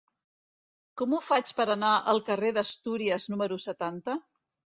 Com ho faig per anar al carrer d'Astúries número setanta?